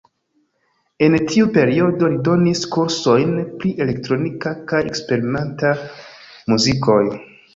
En tiu periodo li donis kursojn pri elektronika kaj eksperimenta muzikoj.